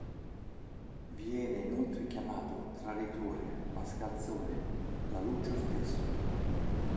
Viene inoltre chiamato "traditore", "mascalzone", da Lucio stesso.